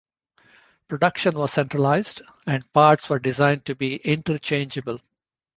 Production was centralized, and parts were designed to be interchangeable.